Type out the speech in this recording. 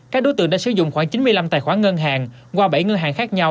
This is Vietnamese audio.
các đối tượng đã sử dụng khoảng chín mươi năm tài khoản ngân hàng qua bảy ngân hàng khác nhau